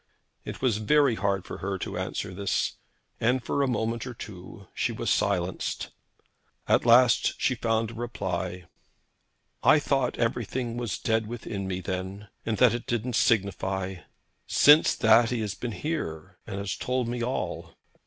It was very hard for her to answer this, and for a moment or two she was silenced. At last she found a reply. 'I thought everything was dead within me then, and that it didn't signify. Since that he has been here, and he has told me all.'